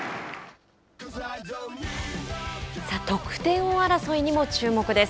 得点王争いにも注目です。